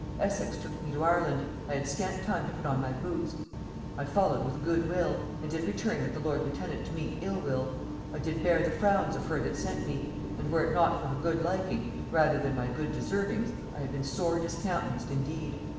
Essex took me to Ireland, I had scant time to put on my boots; I followed with good will, and did return with the lord lieutenant to meet ill will; I did bear the frowns of her that sent me; and were it not for her good liking, rather than my good deservings, I had been sore discountenanced indeed.